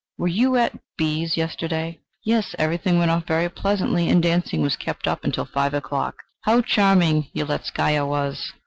Were you at B 's yesterday?" "Yes; everything went off very pleasantly, and dancing was kept up until five o'clock. How charming Yeletzkaya was!"